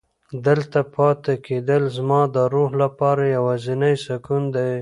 دلته پاتې کېدل زما د روح لپاره یوازینی سکون دی.